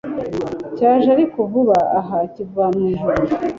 cyaje ariko vuba aha kiva mwijuru